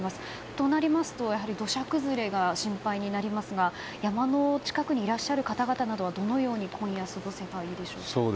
となりますと、やはり土砂崩れが心配になりますが山の近くにいらっしゃる方々などはどのように今夜過ごせばいいでしょうか。